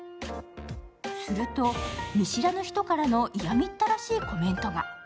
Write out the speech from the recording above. すると、見知らぬ人からのいやみったらしいコメントが。